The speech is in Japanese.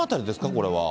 これは。